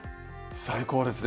最高ですね。